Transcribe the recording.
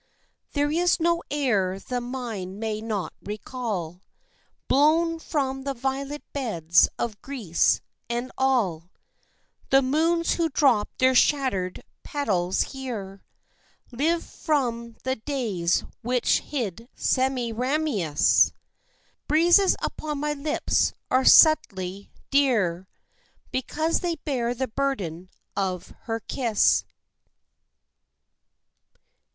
There is no air the mind may not recall, Blown from the violet beds of Greece; and all The moons who drop their shattered petals here Live from the days which hid Semiramis. Breezes upon my lips are subtly dear, Because they bear the burden of her kiss.